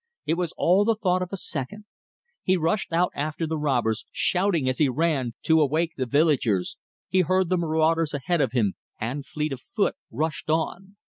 It was all the thought of a second. He rushed out after the robbers, shouting as he ran, to awake the villagers. He heard the marauders ahead of him, and, fleet of foot, rushed on.